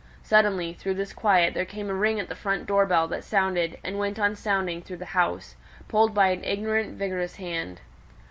Suddenly, through this quiet, there came a ring at the front door bell that sounded, and went on sounding, through the house, pulled by an ignorant vigorous hand.